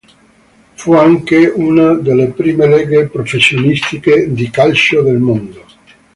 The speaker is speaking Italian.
Fu anche una delle prime leghe professionistiche di calcio del mondo.